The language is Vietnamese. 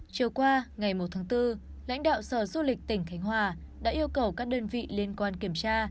chiều qua ngày một tháng bốn lãnh đạo sở du lịch tỉnh khánh hòa đã yêu cầu các đơn vị liên quan kiểm tra